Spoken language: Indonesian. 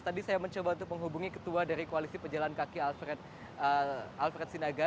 tadi saya mencoba untuk menghubungi ketua dari koalisi pejalan kaki alfred sinaga